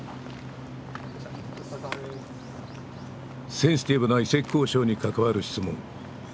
センシティブな移籍交渉に関わる質問。